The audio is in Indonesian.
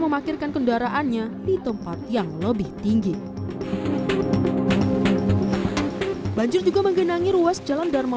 memakirkan kendaraannya di tempat yang lebih tinggi banjir juga menggenangi ruas jalan dharma